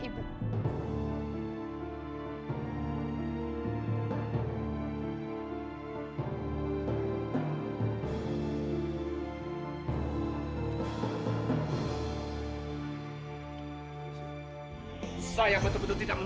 tutup mulut kamu